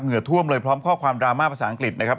ท่วมเลยพร้อมข้อความดราม่าภาษาอังกฤษนะครับ